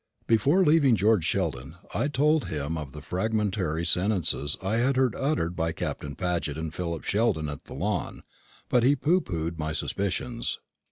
Before leaving George Sheldon, I told him of the fragmentary sentences I had heard uttered by Captain Paget and Philip Sheldon at the Lawn; but he pooh poohed my suspicions.